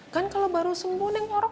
kan kalau baru sembuh neng orok